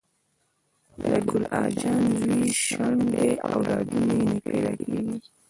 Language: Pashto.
د ګل اجان زوی شنډ دې اولادونه یي نه پیداکیږي